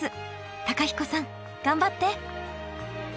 公彦さん頑張って！